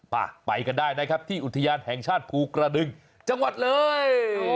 ไปไปกันได้นะครับที่อุทยานแห่งชาติภูกระดึงจังหวัดเลย